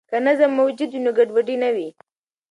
که نظم موجود وي، نو ګډوډي نه وي.